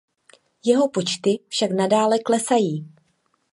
Jeho počty však nadále klesají.